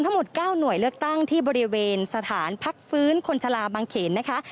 ทั้งหมด๙หน่วยเลือกตั้งที่บริเวณสถานพักฟื้นคนชะลาบางเขนนะคะ